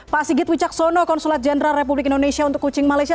pak sigit wicaksono konsulat jenderal republik indonesia untuk kucing malaysia